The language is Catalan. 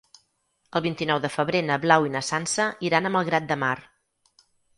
El vint-i-nou de febrer na Blau i na Sança iran a Malgrat de Mar.